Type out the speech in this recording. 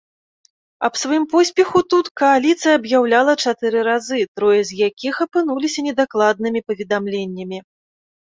Аб сваім поспеху тут кааліцыя аб'яўляла чатыры разы, трое з якіх апынуліся недакладнымі паведамленнямі.